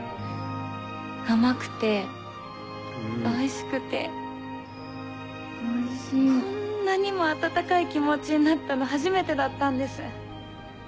甘くておいしくてこんなにも温かい気持ちになったの初めてだったんです。